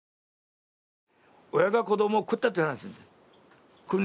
親が子供を食ったっていう話だ。